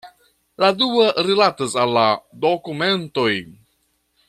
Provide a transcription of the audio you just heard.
La dua rilatas al la dokumentoj.